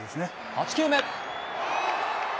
８球目。